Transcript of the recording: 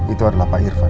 itu adalah pak irvan